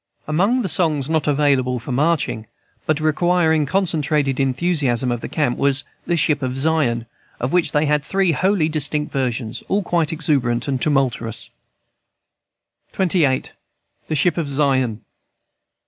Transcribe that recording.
Among the songs not available for marching, but requiring the concentrated enthusiasm of the camp, was "The Ship of Zion," of which they had three wholly distinct versions, all quite exuberant and tumultuous. XXVIII. THE SHIP OF ZION.